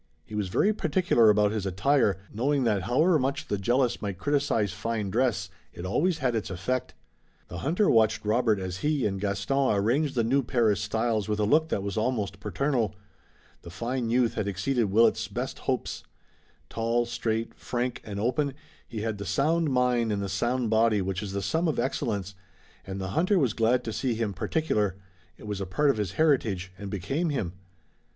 He was very particular about his attire, knowing that however much the jealous might criticize fine dress it always had its effect. The hunter watched Robert as he and Gaston arranged the new Paris styles with a look that was almost paternal. The fine youth had exceeded Willet's best hopes. Tall, straight, frank and open, he had the sound mind in the sound body which is the sum of excellence, and the hunter was glad to see him particular. It was a part of his heritage, and became him.